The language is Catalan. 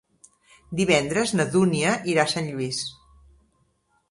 Divendres na Dúnia irà a Sant Lluís.